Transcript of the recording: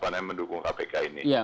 jadi kita harus mendukung kpk ini